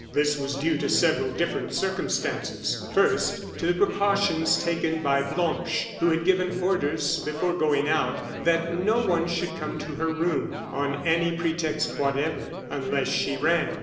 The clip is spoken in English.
This was due to several different circumstances. First, to the precautions taken by Blanche, who had given orders, before going out, that no one should come to her room, on any pretext whatever, unless she rang.